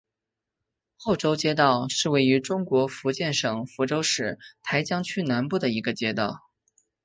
后洲街道是位于中国福建省福州市台江区南部的一个街道。